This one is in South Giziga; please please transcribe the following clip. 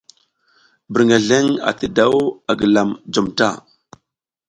Birngeleŋ ati daw a gilam jom ta.